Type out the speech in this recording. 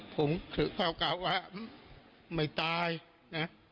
ผมถือเผาเกาะว่าไม่ตายนะ